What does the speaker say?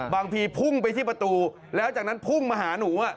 บางทีพุ่งไปที่ประตูแล้วจากนั้นพุ่งมาหาหนู